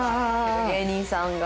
芸人さんが。